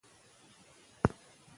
بلو اوریجن ځانګړي تجهیزات برابر کړل.